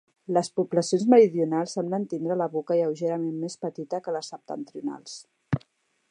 Les poblacions meridionals semblen tindre la boca lleugerament més petita que les septentrionals.